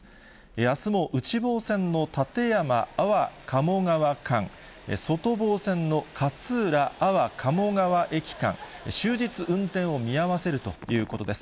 あすも内房線の館山・安房鴨川間、外房線の勝浦・安房鴨川駅間、終日、運転を見合わせるということです。